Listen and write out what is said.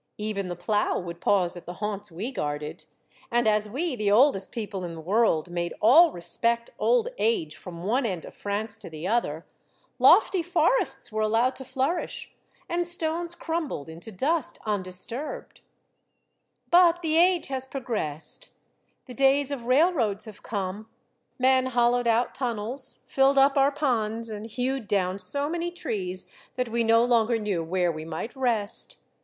Even the plough would pause at the haunts we guarded, and as we, the oldest people in the world, made all respect old age from one end of France to the other, lofty forests were allowed to flourish, and stones crumbled into dust undisturbed. 13 1 94 Monday Tales, '* But the age has progressed. The days of rail roads have come. Men hollowed out tunnels, filled up our ponds, and hewed down so many trees that we no longer knew where we might rest.